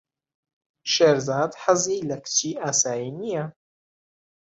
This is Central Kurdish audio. شێرزاد حەزی لە کچی ئاسایی نییە.